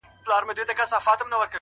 خوب كي گلونو ســـره شپـــــې تېــروم؛